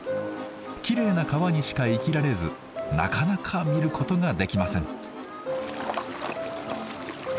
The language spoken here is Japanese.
きれいな川にしか生きられずなかなか見ることができません。